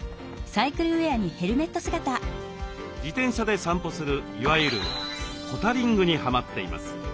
自転車で散歩するいわゆる「ポタリング」にハマっています。